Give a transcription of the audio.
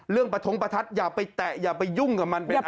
ประท้งประทัดอย่าไปแตะอย่าไปยุ่งกับมันเป็นอะไร